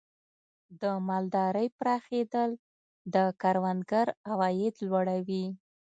د مالدارۍ پراخېدل د کروندګر عواید لوړوي.